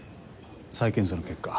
再検査の結果。